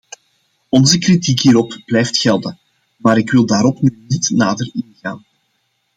Onze kritiek hierop blijft gelden, maar ik wil daarop nu niet nader ingaan.